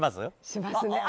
しますね。